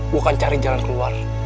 gue akan cari jalan keluar